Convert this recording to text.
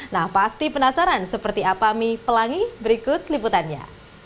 nah pasti penasaran seperti apa mie pelangi berikut liputannya